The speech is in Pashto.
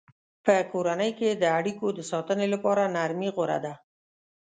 په کورنۍ کې د اړیکو د ساتنې لپاره نرمي غوره ده.